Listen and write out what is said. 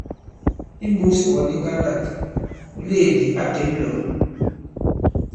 Imbūs wɔ̌n ŋgandâk, mùleèdì a těm lɔ̀.